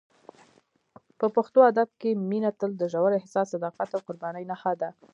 په پښتو ادب کې مینه تل د ژور احساس، صداقت او قربانۍ نښه ده.